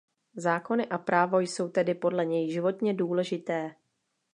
Zákony a právo jsou tedy podle něj životně důležité.